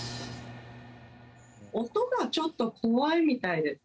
音がちょっと怖いみたいです。